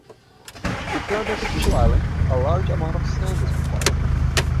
To prepare the artificial island, a large amount of sand is required.